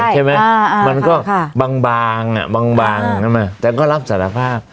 ใช่ไหมมันก็บางบางแต่ก็รับสารภาพ